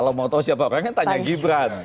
kalau mau tahu siapa orangnya tanya gibran